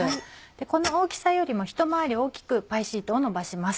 この大きさよりもひと回り大きくパイシートをのばします。